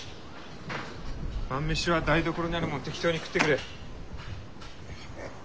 晩飯は台所にあるものを適当に食ってくれ。